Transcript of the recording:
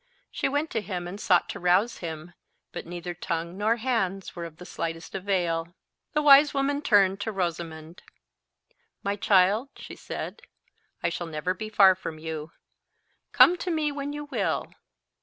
She went to him and sought to rouse him, but neither tongue nor hands were of the slightest avail. The wise woman turned to Rosamond. "My child," she said, "I shall never be far from you. Come to me when you will.